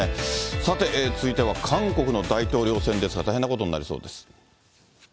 さて、続いては韓国の大統領選ですが、大変なことになりそうです。